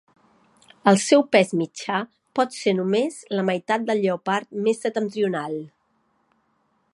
El seu pes mitjà pot ser només la meitat del lleopard més septentrional.